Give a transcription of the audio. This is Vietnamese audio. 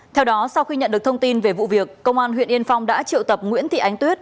theo đó sau khi nhận được thông tin về vụ việc công an huyện yên phong đã triệu tập nguyễn thị ánh tuyết